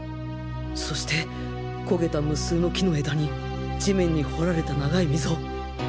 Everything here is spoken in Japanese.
そして焦げた無数の木の枝に地面に掘られた長い溝